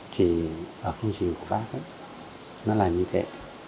thì ở công trình của bác ấy nó là như thế